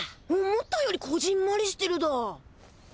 思ったよりこぢんまりしてるだ。